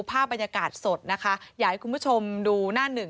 ภาพบรรยากาศสดนะคะอยากให้คุณผู้ชมดูหน้าหนึ่ง